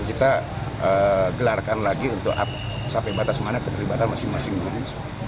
kita gelarkan lagi untuk sampai batas mana keterlibatan masing masing guru